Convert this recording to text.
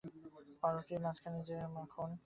পাউরুটিতে মাখন লাগানো মাখনের ঘ্রাণও পাওয়া যাচ্ছে।